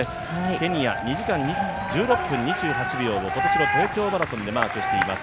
ケニア、２時間１６分２８秒を、今年の東京マラソンでマークしています。